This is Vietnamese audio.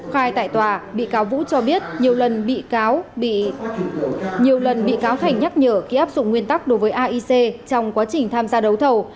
khai tại tòa bị cáo vũ cho biết nhiều lần bị cáo thành nhắc nhở khi áp dụng nguyên tắc đối với aic trong quá trình tham gia đấu thầu